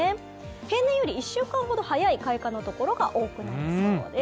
平年より１週間ほど早い開花のところが多くなりそうです。